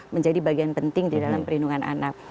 menjadi bagian penting di dalam perlindungan anak